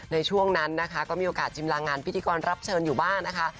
ในช่วงนั้นนะคะก็มีโอกาสชิมลางงานพิธีกรรับเชิญอยู่บ้างนะคะ